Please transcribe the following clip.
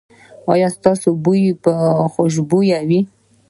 ایا ستاسو بوی به خوشبويه وي؟